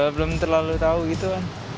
belum terlalu tahu gitu kan